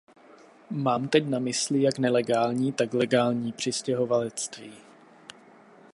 Mám teď na mysli jak nelegální, tak legální přistěhovalectví.